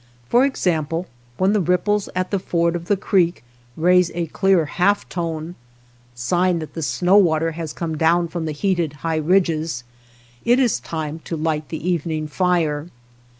For example, when the ripples at the ford of the creek raise a clear half tone, — sign that the snow water has come down from the heated high ridges, — it is time to light the evening fire.